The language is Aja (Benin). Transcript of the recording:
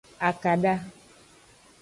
Akada.